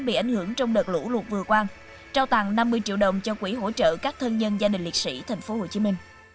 bị ảnh hưởng trong đợt lũ lụt vừa qua trao tặng năm mươi triệu đồng cho quỹ hỗ trợ các thân nhân gia đình liệt sĩ tp hcm